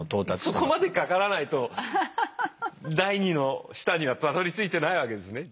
そこまでかからないと第二の舌にはたどりついてないわけですね。